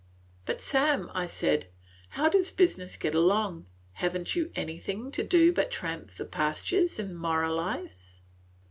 "But, Sam," said I, "how does business get along? Have n't you anything to do but tramp the pastures and moralize?